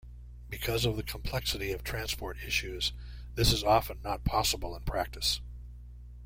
Because of the complexity of transport issues, this is often not possible in practice.